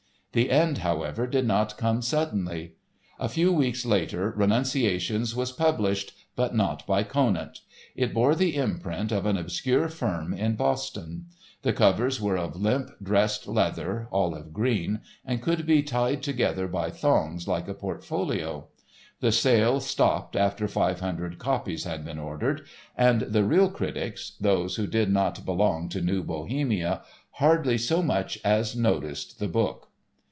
The end, however, did not come suddenly. A few weeks later "Renunciations" was published, but not by Conant. It bore the imprint of an obscure firm in Boston. The covers were of limp dressed leather, olive green, and could be tied together by thongs, like a portfolio. The sale stopped after five hundred copies had been ordered, and the real critics, those who did not belong to New Bohemia, hardly so much as noticed the book.